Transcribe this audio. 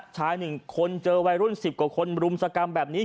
ชาย๑คนเจอวัยรุ่น๑๐กว่าคนรุมสกรรมแบบนี้